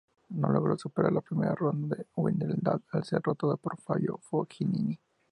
No logró superar la primera ronda de Wimbledon al ser derrotado por Fabio Fognini.